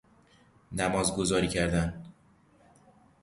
نمازگذاری کردن